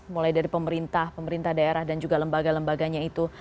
mulai dari pemerintah pemerintah daerah dan juga lembaga lembaganya itu